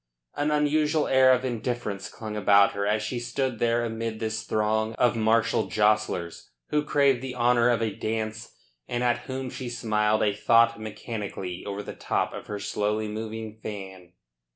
An unusual air of indifference hung about her as she stood there amid this throng of martial jostlers who craved the honour of a dance and at whom she smiled a thought mechanically over the top of her slowly moving fan.